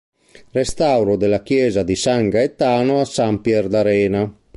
Restauro della chiesa di San Gaetano a Sampierdarena.